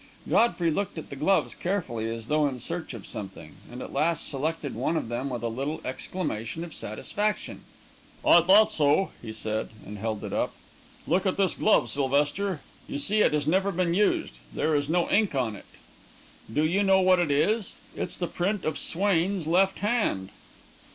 Godfrey looked at the gloves carefully, as though in search of something, and at last selected one of them with a little exclamation of satisfaction. "I thought so!" he said, and held it up. "Look at this glove, Sylvester. You see it has never been used there is no ink on it. Do you know what it is? It's the print of Swain's left hand."